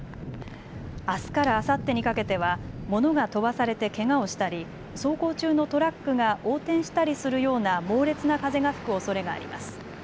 あすからあさってにかけては物が飛ばされてけがをしたり走行中のトラックが横転したりするような猛烈な風が吹くおそれがあります。